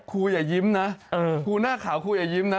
อย่ายิ้มนะครูหน้าขาวครูอย่ายิ้มนะ